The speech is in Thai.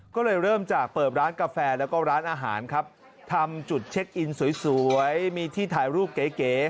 ก็เลยเริ่มจากเปิดร้านกาแฟแล้วก็ร้านอาหารครับทำจุดเช็คอินสวยมีที่ถ่ายรูปเก๋